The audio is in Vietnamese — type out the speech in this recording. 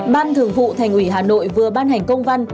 ban thường vụ thành ủy hà nội vừa ban hành công văn